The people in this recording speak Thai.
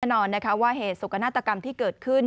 แน่นอนว่าเหตุสุขนาธกรรมที่เกิดขึ้น